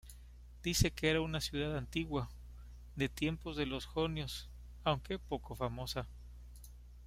Dice que era una ciudad antigua, de tiempos de los jonios, aunque poco famosa.